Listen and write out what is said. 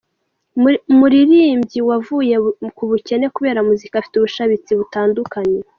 muririmbyi wavuye mu bukene kubera muzika, afite ubushabitsi butandukanye.